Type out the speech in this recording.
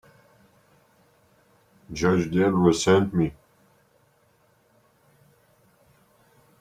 Judge Debra sent me.